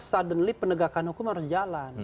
suddenly penegakan hukum harus jalan